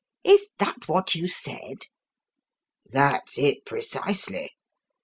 Is that what you said?" "That's it, precisely.